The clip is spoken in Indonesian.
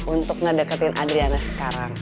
untuk ngedeketin adriana sekarang